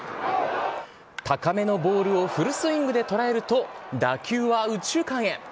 高めのボールをフルスイングで捉えると、打球は右中間へ。